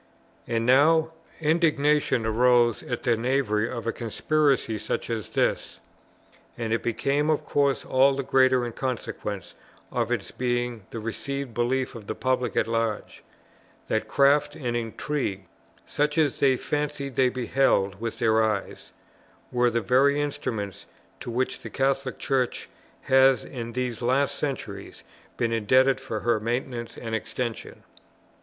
And now indignation arose at the knavery of a conspiracy such as this: and it became of course all the greater in consequence of its being the received belief of the public at large, that craft and intrigue, such as they fancied they beheld with their eyes, were the very instruments to which the Catholic Church has in these last centuries been indebted for her maintenance and extension.